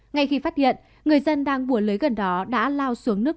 ngay khi phát hiện người dân đang bùa lưới gần đó đã lao xuống nước